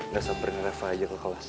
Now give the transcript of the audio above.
lu gak sabar ngerefa aja ke kelas